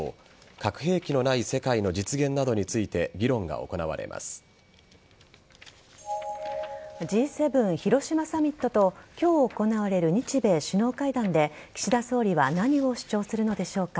核兵器のない世界の実現などについてＧ７広島サミットと今日行われる日米首脳会談で岸田総理は何を主張するのでしょうか。